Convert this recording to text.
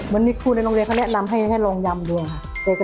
วันนี้ครูในโรงเรียนเขาแนะนำให้ลองยำดวงค่ะ